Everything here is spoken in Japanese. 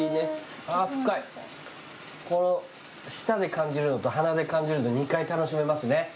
舌で感じるのと鼻で感じるのと２回楽しめますね。